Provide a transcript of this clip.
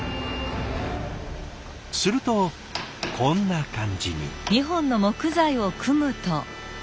するとこんな感じに。